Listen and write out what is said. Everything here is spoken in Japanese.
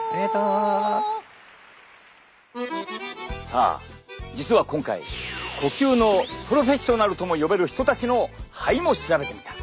さあ実は今回呼吸のプロフェッショナルとも呼べる人たちの肺も調べてみた。